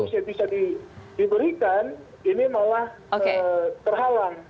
jadi yang bisa diberikan ini malah terhalang oke